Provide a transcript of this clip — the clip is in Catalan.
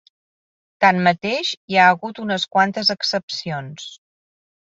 Tanmateix, hi ha hagut unes quantes excepcions.